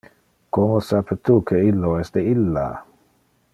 Como sape tu que illo es de illa?